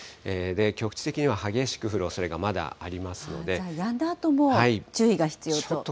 局地的には激しく降るおそれがまやんだあとも、注意が必要と。